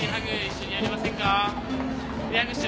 一緒にやりませんか？